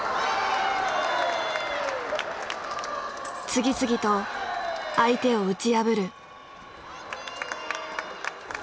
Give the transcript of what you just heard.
次々と相手を打ち破る。